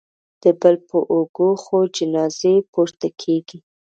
د بل په اوږو خو جنازې پورته کېږي